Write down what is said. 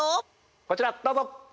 こちらどうぞ！